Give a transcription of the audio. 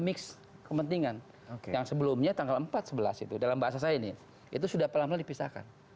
mix kepentingan yang sebelumnya tanggal empat sebelas itu dalam bahasa saya ini itu sudah pelan pelan dipisahkan